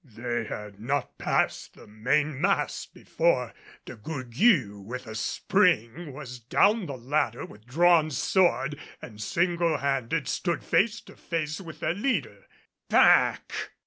They had not passed the main mast before De Gourgues with a spring was down the ladder with drawn sword, and single handed stood face to face with their leader. "Back!"